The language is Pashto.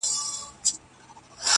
تش یو پوست وو پر هډوکو غوړېدلی؛